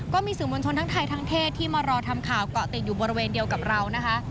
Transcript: ก็มีสื่อมวลชนทั้งไทยทั้งเทศที่มารอทำข่าวเกาะติดอยู่บริเวณเดียวกับเรานะคะ